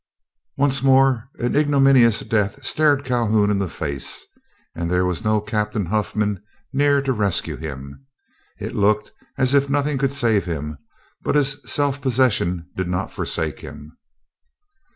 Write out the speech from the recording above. Once more an ignominious death stared Calhoun in the face, and there was no Captain Huffman near to rescue him. It looked as if nothing could save him, but his self possession did not forsake him.